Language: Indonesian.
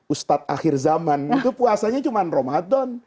ustadz akhir zaman itu puasanya cuma ramadan